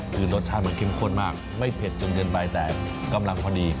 คือรสชาติมันเข้มข้นมากไม่เผ็ดจนเกินไปแต่กำลังพอดี